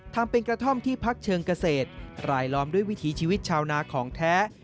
ทำเป็นกระท่อมที่พักเชิงเกษตรรายล้อมด้วยวิถีชีวิตชาวนาของแท้